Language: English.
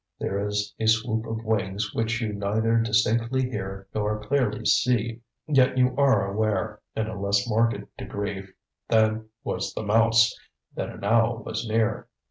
There is a swoop of wings which you neither distinctly hear nor clearly see, yet you are aware, in a less marked degree than was the mouse, that an owl was near.